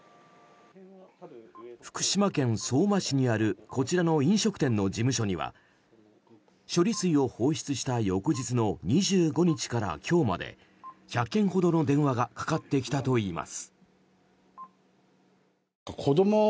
福島県相馬市にあるこちらの飲食店の事務所には処理水を放出した翌日の２５日から今日まで１００件ほどの電話がかかってきたといいます。